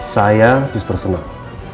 saya justru senang